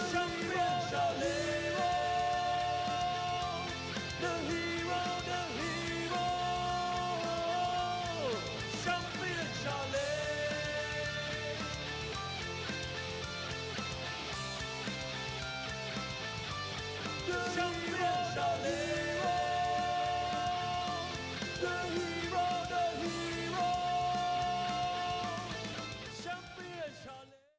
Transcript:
โยกขวางแก้งขวา